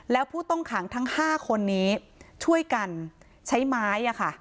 แล้วผู้ต้องขังทั้ง๕คนนี้ช่วยกันใช้ไม้